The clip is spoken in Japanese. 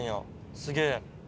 すげえ。